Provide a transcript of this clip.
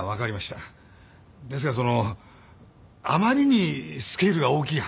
ですがそのあまりにスケールが大きい話と。